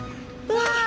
うわ！